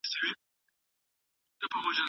که مجازي ښوونه وي، تعلیم دوامداره پاته کېږي.